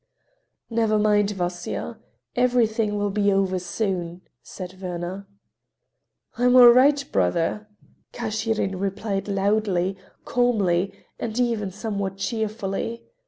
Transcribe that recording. "Never mind, Vasya. Everything will be over soon," said Werner. "I am all right, brother," Kashirin replied loudly, calmly and even somewhat cheerfully.